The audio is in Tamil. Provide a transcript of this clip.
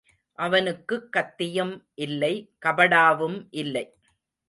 அவனுக்குக் கத்தியும் இல்லை கபடாவும் இல்லை.